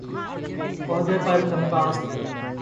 عہدہ پر ممتاز تھے